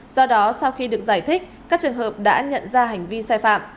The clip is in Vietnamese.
do đó sau khi được giải thích các trường hợp đã nhận ra hành vi sai phạm